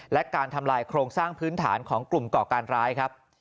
และการทำลายโครงสร้างพื้นฐานของกลุ่มก่อการร้ายครับ